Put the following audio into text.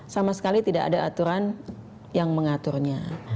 sama sekali tidak ada aturan yang mengaturnya